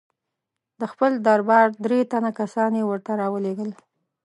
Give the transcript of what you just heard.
د خپل دربار درې تنه کسان یې ورته را ولېږل.